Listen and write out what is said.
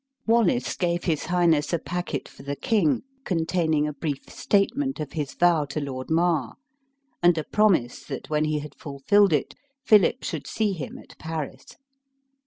Wallace gave his highness a packet for the king, containing a brief statement of his vow to Lord Mar, and a promise, that when he had fulfilled it, Philip should see him at Paris.